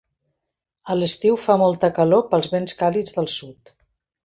A l'estiu fa molta calor pels vents càlids del sud.